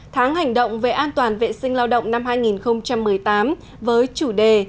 tháng hành động về an toàn vệ sinh lao động năm hai nghìn một mươi tám với chủ đề